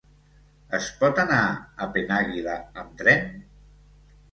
Es pot anar a Penàguila amb tren?